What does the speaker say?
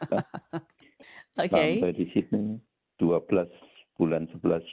sampai di sini dua belas bulan sebelas dua puluh dua